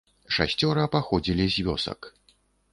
Шасцёра паходзілі з вёсак.